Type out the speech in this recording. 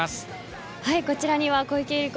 こちらには小池百合子